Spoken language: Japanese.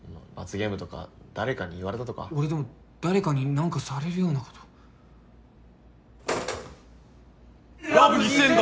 ゲームとか誰かに言われたとか俺でも誰かに何かされるようなことラブ２０００だ！